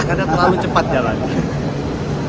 karena terlalu cepat jalan